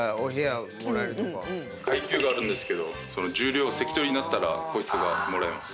階級があるんですけど十両関取になったら個室がもらえます。